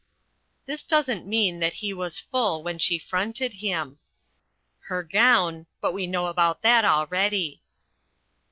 This doesn't mean that he was full when she fronted him. Her gown but we know about that already.